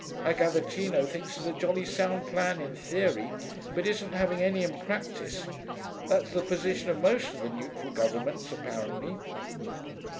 I gather Tino thinks it a jolly sound plan in theory, but isn't having any in practice. That's the position of most of the neutral governments, apparently.'